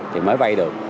thì mới vay được